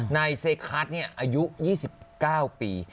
นายเซคาร์ดอายุ๒๙ปี